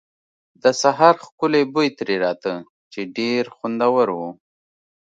د سهار ښکلی بوی ترې راته، چې ډېر خوندور و.